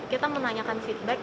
kita menanyakan feedback